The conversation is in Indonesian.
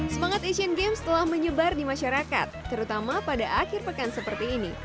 semangat asian games telah menyebar di masyarakat terutama pada akhir pekan seperti ini